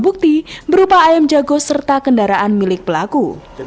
bukti berupa ayam jago serta kendaraan milik pelaku